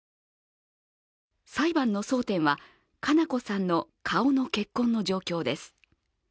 裁判の争点は、佳菜子さんの顔の血痕の状況です。